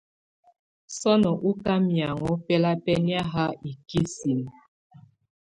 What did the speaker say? Sɔnɔ́ ɔká mɛaŋɔ́ bɛlabɛ́nɛ́ ha u kisín.